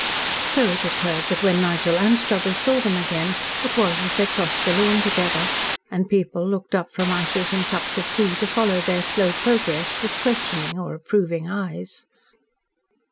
So it occurred that when Nigel Anstruthers saw them again it was as they crossed the lawn together, and people looked up from ices and cups of tea to follow their slow progress with questioning or approving eyes.